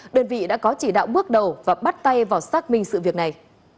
đơn vị đã có chỉ đạo bước đầu và bắt tay vào xác minh sự việc này